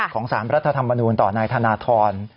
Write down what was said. ของสารพระราชธรรมนูญต่อนายธนาทร